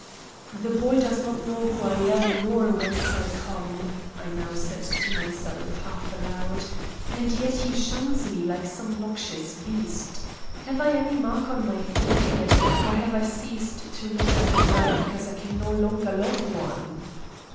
"'The boy does not know who I am, nor whence I come,' I now said to myself, half aloud, 'and yet he shuns me like some noxious beast. Have I any mark on my forehead, or have I ceased to look like a man because I can no longer love one?